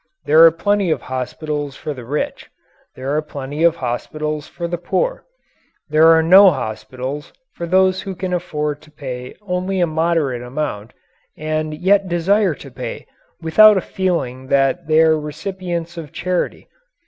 There are plenty of hospitals for the rich. There are plenty of hospitals for the poor. There are no hospitals for those who can afford to pay only a moderate amount and yet desire to pay without a feeling that they are recipients of charity.